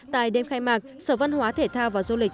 tại đêm khai mạc sở văn hóa thể thao và du lịch